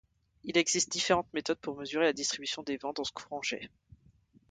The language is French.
Il existe différentes méthodes pour mesurer la distribution des vents dans ce courant-jet.